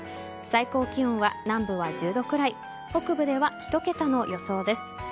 最高気温は、南部は１０度くらい北部では１桁の予想です。